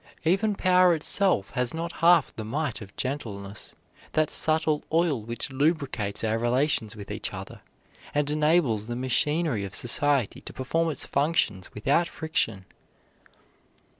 Even power itself has not half the might of gentleness, that subtle oil which lubricates our relations with each other, and enables the machinery of society to perform its functions without friction.